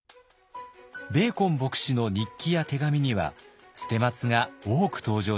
ベーコン牧師の日記や手紙には捨松が多く登場します。